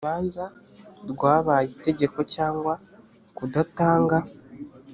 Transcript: urubanza rwabaye itegeko cyangwa kudatanga